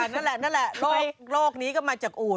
นั่นแหละโรคนี้ก็มาจากอูด